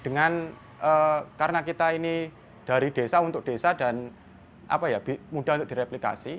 dengan karena kita ini dari desa untuk desa dan mudah untuk direplikasi